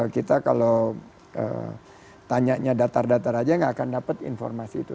kita kalau tanyanya datar datar saja tidak akan mendapatkan informasi itu